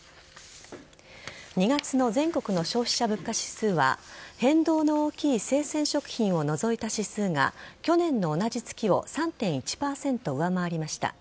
２月の全国の消費者物価指数は変動の大きい生鮮食品を除いた指数が去年の同じ月を３．１％上回りました。